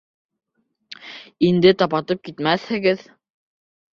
Инде тапатып китмәҫһегеҙ.